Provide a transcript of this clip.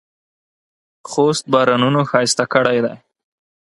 خوست بارانونو ښایسته کړی دی.